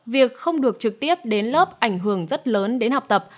việc không được trực tiếp đến lớp ảnh hưởng rất lớn đến học tập